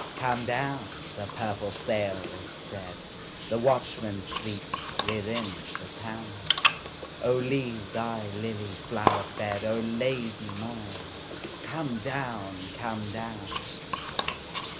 Come down! the purple sail is spread, The watchman sleeps within the town,O leave thy lily flowered bed,O Lady mine come down, come down!